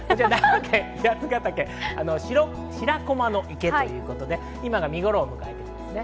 こちら長野県八ヶ岳、白駒の池ということで、今が見ごろを迎えています。